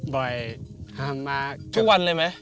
บ่อยทางมากทุกวันเลยไหม